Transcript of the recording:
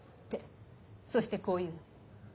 そしてこう言うの。